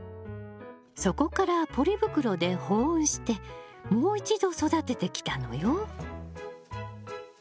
そこからポリ袋で保温してもう一度育ててきたのよ。